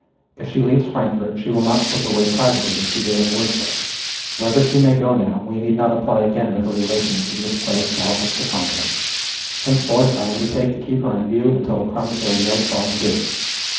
If she leaves Frankfort, she will not slip away privately as she did at Wurzburg. Wherever she may go now, we need not apply again to her relations in this place to help us to find her. Henceforth I undertake to keep her in view until the promissory note falls due.